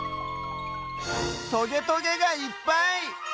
トゲトゲがいっぱい！